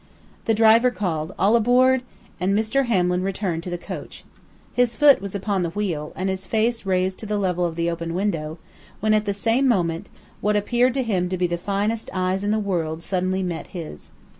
The driver called "All aboard!" and Mr. Hamlin returned to the coach. His foot was upon the wheel, and his face raised to the level of the open window, when, at the same moment, what appeared to him to be the finest eyes in the world suddenly met his.